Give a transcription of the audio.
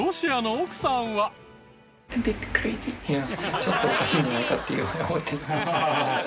ちょっとおかしいんじゃないかっていうふうに思ってる。